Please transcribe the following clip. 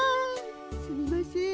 すみません